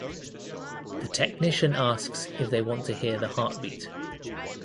The technician asks if they want to hear the heartbeat.